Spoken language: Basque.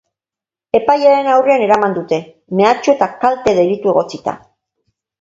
Epailearen aurrera eraman dute, mehatxu eta kalte delitua egotzita.